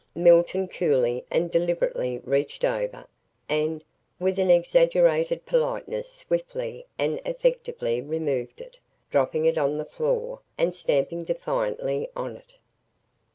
Milton coolly and deliberately reached over and, with an exaggerated politeness swiftly and effectively removed it, dropping it on the floor and stamping defiantly on it.